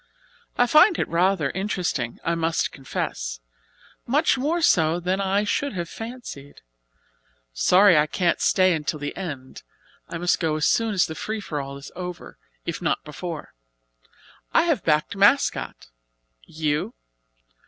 I find it rather interesting, I must confess, much more so than I should have fancied. Sorry I can't stay until the end. I must go as soon as the free for all is over, if not before. I have backed 'Mascot'; you?"